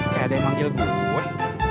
kayak ada yang manggil gue